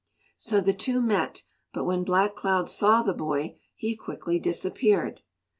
So the two met, but when Black Cloud saw the boy he quickly disappeared.